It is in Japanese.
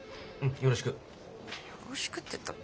よろしくって言ったって。